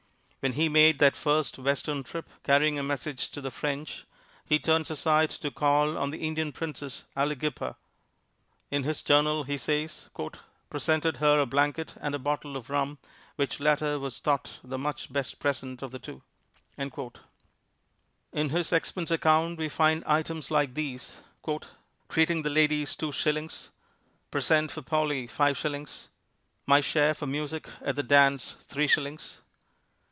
When he made that first Western trip, carrying a message to the French, he turns aside to call on the Indian princess, Aliguippa. In his journal, he says, "presented her a Blanket and a Bottle of Rum, which latter was thought the much best Present of the 2." In his expense account we find items like these: "Treating the ladys 2 shillings." "Present for Polly 5 shillings." "My share for Music at the Dance 3 shillings."